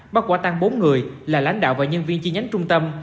bắt quả tăng bốn người là lãnh đạo và nhân viên chi nhánh trung tâm